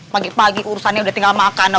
pagi pagi urusannya udah tinggal makan